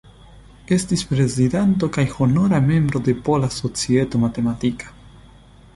Estis prezidanto kaj honora membro de Pola Societo Matematika.